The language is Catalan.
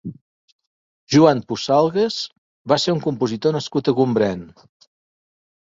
Joan Pusalgues va ser un compositor nascut a Gombrèn.